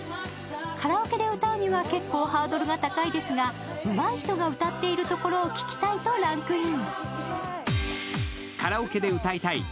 カラオケで歌うには結構、ハードルが高いですが、うまい人が歌っているところを聴きたいとランクイン。